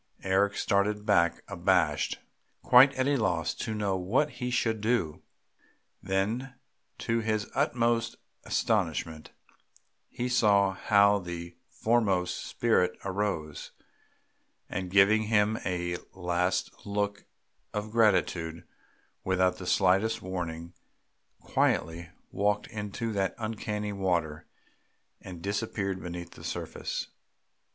Eric started back abashed, quite at a loss to know what he should do; then to his utmost astonishment he saw how the foremost spirit arose, and, giving him a last look of gratitude, without the slightest warning quietly walked into that uncanny water and disappeared beneath the surface!